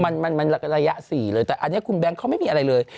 มันมันระยะ๔เลยแต่อันนี้คุณแบงค์เขาไม่มีอะไรเลย